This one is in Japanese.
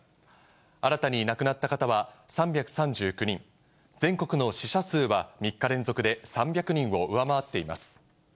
新たに亡くなった方は３３９人、全国の死者数は３日連続で３００人を上回っています。